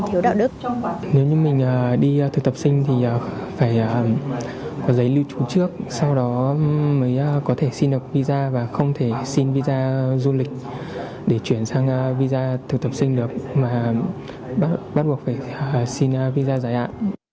nếu như mình đi thực tập sinh thì phải có giấy lưu trú trước sau đó mới có thể xin được visa và không thể xin visa du lịch để chuyển sang visa thực tập sinh được mà bắt buộc phải xin visa giải hạn